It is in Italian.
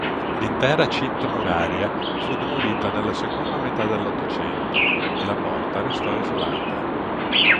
L'intera cinta muraria fu demolita nella seconda metà dell'Ottocento e la porta restò isolata.